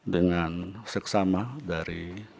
dengan seksama dari